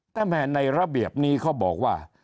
แต่แหม่ในระเบียบนี้เขาบอกว่า